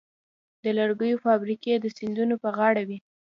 د لرګیو فابریکې د سیندونو په غاړه وې.